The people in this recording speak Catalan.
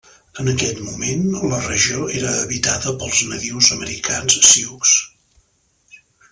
En aquell moment, la regió era habitada pels nadius americans sioux.